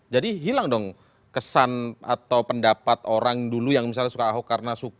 jadi hilang dong kesan atau pendapat orang dulu yang misalnya suka ahok karena